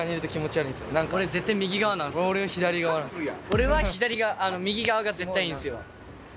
俺は右側が絶対いいんすよ。